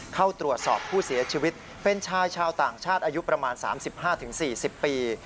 เข้าตรวจสอบผู้เสียชีวิตเป็นชายชาวต่างชาติอายุประมาณ๓๕๔๐ปี